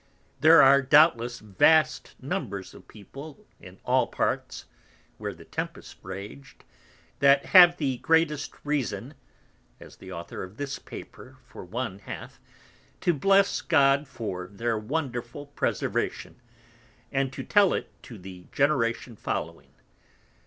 There are doubtless vast numbers of People in all Parts (where the Tempest raged) that have the greatest reason (as the Author of this Paper for one hath) to bless God for their wonderful preservation, and to tell it to the Generation following.